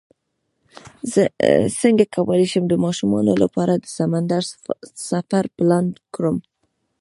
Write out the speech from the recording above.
څنګه کولی شم د ماشومانو لپاره د سمندر سفر پلان کړم